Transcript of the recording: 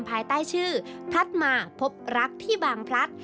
ภายใต้ชื่อพลัดมาพบรักที่บางพลัด